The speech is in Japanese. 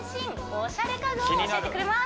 おしゃれ家具を教えてくれます